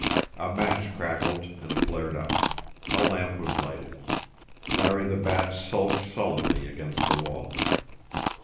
A match crackled and flared up. A lamp was lighted. Larry the Bat sulked sullenly against the wall.